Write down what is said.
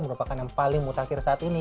merupakan yang paling mutakhir saat ini